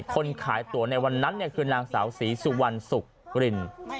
คนขายตัวในวันนั้นคือนางสาวศรีสุวรรณสุขริน